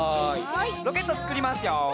ロケットつくりますよ。